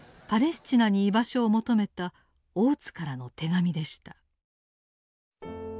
パレスチナに居場所を求めた大津からの手紙でした。